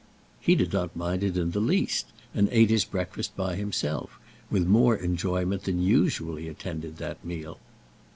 He did not mind it in the least, and ate his breakfast by himself, with more enjoyment than usually attended that meal.